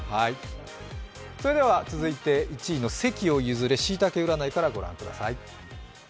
続いて１位の席を譲れ、しいたけ占いからご覧ください。